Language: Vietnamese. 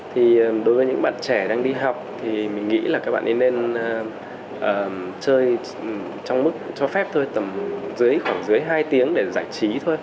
thì đối với những bạn trẻ đang đi học thì mình nghĩ là các bạn ấy nên chơi trong mức cho phép tôi tầm dưới khoảng dưới hai tiếng để giải trí thôi